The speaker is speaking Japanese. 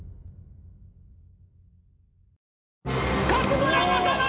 勝村政信！